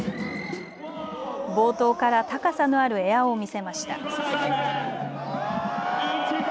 冒頭から高さのあるエアを見せました。